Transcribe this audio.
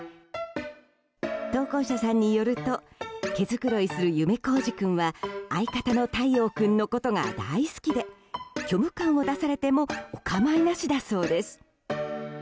投稿者さんによると毛づくろいする夢小路君は相方の太陽君のことが大好きで虚無感を出されてもお構いなしだそうです。